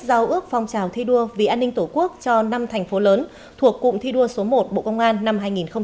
giao ước phong trào thi đua vì an ninh tổ quốc cho năm thành phố lớn thuộc cụm thi đua số một bộ công an năm hai nghìn hai mươi ba